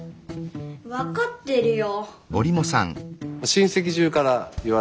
分かってるよ。